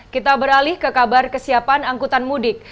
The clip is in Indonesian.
kita beralih ke kabar kesiapan angkutan mudik